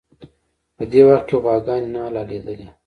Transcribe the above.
په دې وخت کې غواګانې نه حلالېدلې.